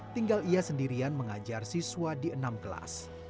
tinggal ia sendirian mengajar siswa di enam kelas